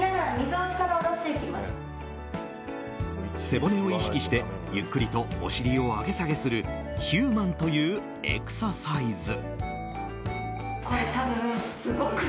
背骨を意識してゆっくりとお尻を上げ下げするヒューマンというエクササイズ。